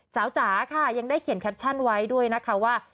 จ๋าค่ะยังได้เขียนแคปชั่นไว้ด้วยนะคะว่า